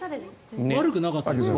悪くなかったですよね。